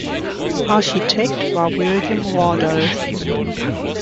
Architekt war William Wardell.